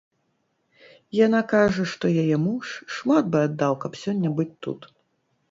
Яна кажа, што яе муж шмат бы аддаў, каб сёння быць тут.